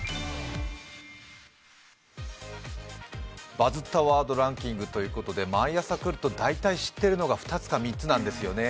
「バズったワードランキング」ということで、毎朝来ると大体知ってるのが２つか３つなんですよね。